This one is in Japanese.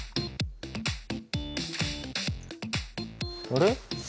あれ？